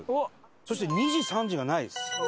そして２時３時がないです。